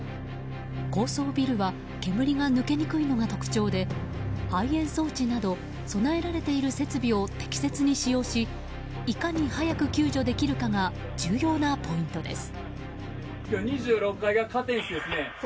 高層ビルは煙が抜けにくいのが特徴で排煙装置など備えられている設備を適切に使用しいかに早く救助できるかが重要なポイントです。